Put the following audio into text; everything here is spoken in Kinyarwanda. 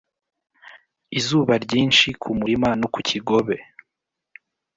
izuba ryinshi kumurima no ku kigobe,